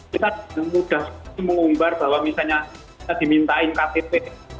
kita dengan mudah mengumbar bahwa misalnya kita dimintain ktp